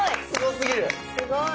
すごい！